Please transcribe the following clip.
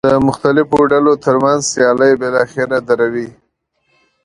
د مختلفو ډلو ترمنځ سیالۍ بالاخره دروي.